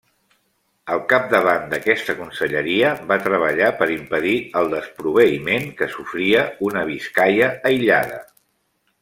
Al capdavant d'aquesta conselleria va treballar per impedir el desproveïment que sofria una Biscaia aïllada.